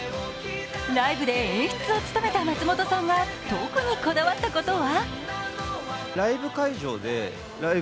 ライブで演出を務めた松本さんが特にこだわったことは？